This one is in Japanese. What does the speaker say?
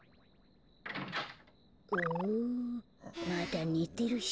まだねてるし。